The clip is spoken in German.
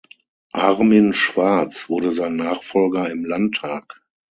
Armin Schwarz wurde sein Nachfolger im Landtag.